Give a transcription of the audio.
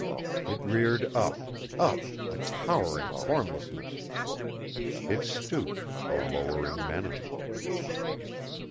It reared up, up, a towering formlessness. It stooped, a lowering menace.